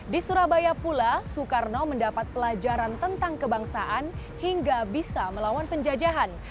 di surabaya pula soekarno mendapat pelajaran tentang kebangsaan hingga bisa melawan penjajahan